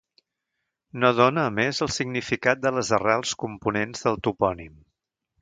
No dóna, a més el significat de les arrels components del topònim.